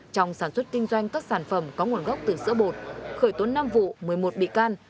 trong sản xuất kinh doanh các sản phẩm có nguồn gốc từ sữa bột khởi tốn năm vụ một mươi một bị can